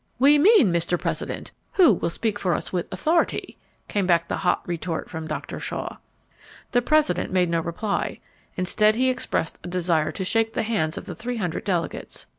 "We mean, Mr. President, who will speak for us with authority?" came back the hot retort from Dr. Shaw. The President made no reply. Instead he expressed a desire to shake the hands of the three hundred delegates.